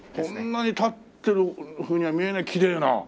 そんなに経ってるふうには見えないきれいな。